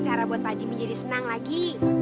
cara buat pak jimmy jadi senang lagi